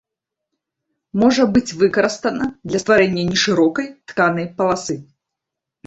Можа быць выкарыстана для стварэння нешырокай тканай паласы.